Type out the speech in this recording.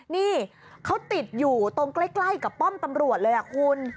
นี่เขาติดอยู่ตรงใกล้กับป้อมตำรวจเลยคุณ